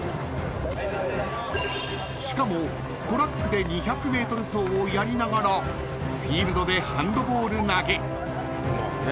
［しかもトラックで２００ｍ走をやりながらフィールドでハンドボール投げ］